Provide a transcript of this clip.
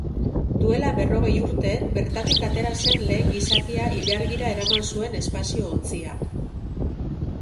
Duela berrogei urte, bertatik atera zen lehen gizakia ilargira eraman zuen espazio-ontzia.